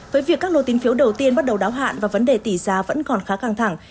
với việc các lô tín phiếu đầu tiên bắt đầu đáo hạn và vấn đề tỷ giá vẫn còn khá căng thẳng